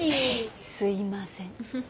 すいません。